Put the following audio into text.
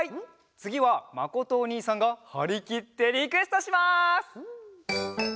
つぎはまことおにいさんがはりきってリクエストします！